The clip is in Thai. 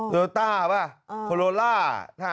โรต้าโครโลล่า